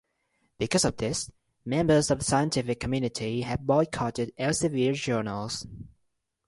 Because of this, members of the scientific community have boycotted Elsevier journals.